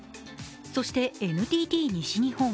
そして、ＮＴＴ西日本。